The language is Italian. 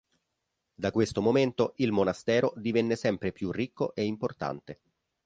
Da questo momento il monastero divenne sempre più ricco e importante.